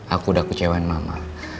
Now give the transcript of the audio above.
aku udah kecewain mama